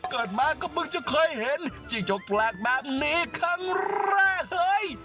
เกิดมาก็เพิ่งจะเคยเห็นจิ้งจกแปลกแบบนี้ครั้งแรกเฮ้ย